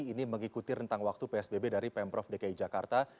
ini mengikuti rentang waktu psbb dari pemprov dki jakarta